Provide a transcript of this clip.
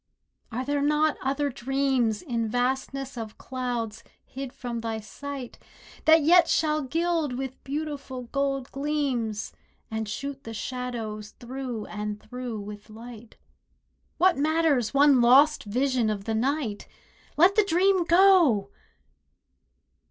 Are there not other dreams In vastness of clouds hid from thy sight That yet shall gild with beautiful gold gleams, And shoot the shadows through and through with light? What matters one lost vision of the night? Let the dream go!!